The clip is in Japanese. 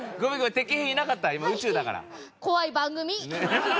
敵兵いなかった今宇宙だから。